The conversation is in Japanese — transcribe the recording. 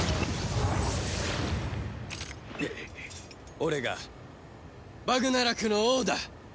俺がバグナラクの王だ。